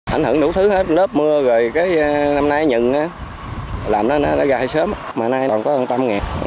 ảnh hưởng đủ thứ hết nớp mưa rồi cái năm nay nhận á làm ra nó gai sớm mà nay còn có hơn ba mươi ngàn